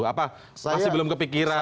apa masih belum kepikiran